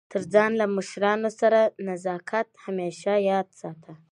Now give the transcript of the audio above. تر ځان له مشرانو سره نزاکت همېشه یاد ساته!